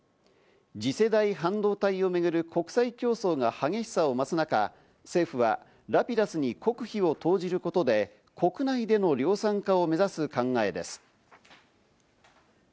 次世代半導体をめぐる国際競争が激しさを増す中、政府はラピダスに国費を投じることで、国内での量産化を目指す考えです。